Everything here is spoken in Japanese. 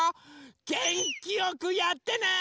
げんきよくやってね！